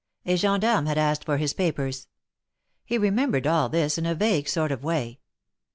A Gendarme had asked for his papers. He remembered all this in a vague sort of way.